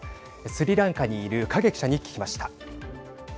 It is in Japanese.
スリランカにいる影記者に聞きました。